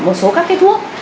một số các cái thuốc